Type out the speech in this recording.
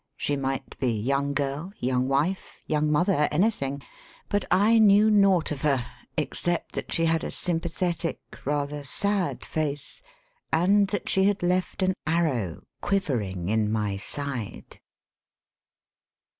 She might be young girl, young wife, young mother, anything — ^but I knew naught of her except that she had a sym pathetic, rather sad face, and that she had left an arrow quivering in my side.